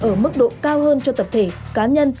ở mức độ cao hơn cho tập thể cá nhân